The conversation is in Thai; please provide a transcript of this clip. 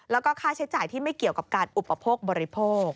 แล้วก็ค่าใช้จ่ายที่ไม่เกี่ยวกับการอุปโภคบริโภค